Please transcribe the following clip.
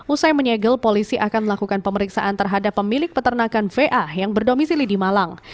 usai menyegel polisi akan melakukan pemeriksaan terhadap pemilik peternakan va yang berdomisili di malang